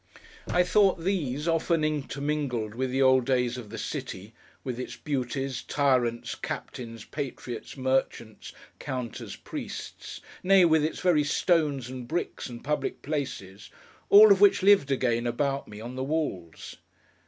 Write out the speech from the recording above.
I thought these, often intermingled with the old days of the city: with its beauties, tyrants, captains, patriots, merchants, counters, priests: nay, with its very stones, and bricks, and public places; all of which lived again, about me, on the walls.